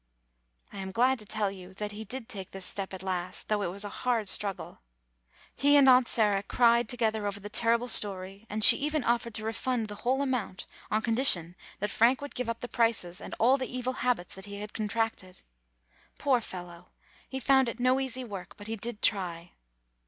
I am glad to tell you that he did take this step at last, though it was a hard struggle. He and Aunt Sarah cried together over the terrible story, and she even offered to refund the whole amount on condition that Frank would give up the Prices and all the evil habits [ 114 ] GONE ASTRAY that he had contracted. Poor fellow! He found it no easy work^ but he did try.